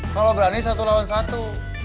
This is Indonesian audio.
kalau berani satu lawan satu